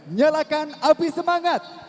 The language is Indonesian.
nyalakan api semangat